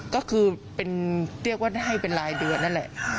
ก็คือเป็นเรียกว่าให้เป็นรายเดือนนั่นแหละ